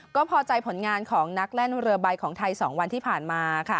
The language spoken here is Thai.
ก็พอใจผลงานของนักแล่นเรือใบของไทย๒วันที่ผ่านมา